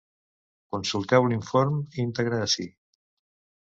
Consulteu l’inform íntegre ací.